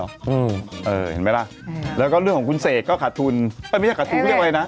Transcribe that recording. นี่ดูซาม้านะ